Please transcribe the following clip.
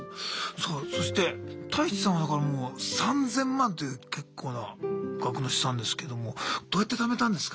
さあそしてタイチさんはだからもう３０００万という結構な額の資産ですけどもどうやって貯めたんですか？